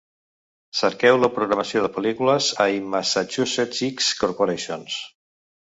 Cerqueu la programació de pel·lícules a IMassachusettsX Corporation.